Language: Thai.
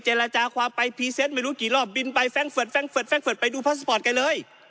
แจลจาความไปไม่รู้กี่รอบบินไปไปไปไปดูไปเลย